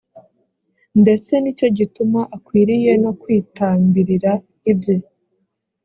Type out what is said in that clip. ndetse ni cyo gituma akwiriye no kwitambirira ibye